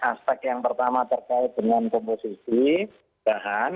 aspek yang pertama terkait dengan komposisi bahan